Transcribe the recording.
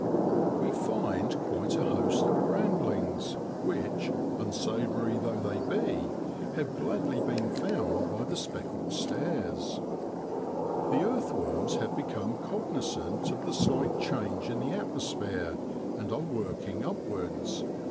We find quite a host of brand FEBRUARY IN B1WADLAND. 19 lings, which, unsavoury though they be, have gladly been found by the speckled stares. The earthworms have become cognisant of the slight change in the atmos phere, and are working upwards.